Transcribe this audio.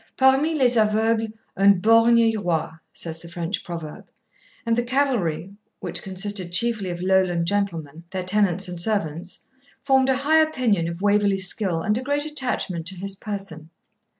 'Parmi les aveugles un borgne est roi,' says the French proverb; and the cavalry, which consisted chiefly of Lowland gentlemen, their tenants and servants, formed a high opinion of Waverley's skill and a great attachment to his person.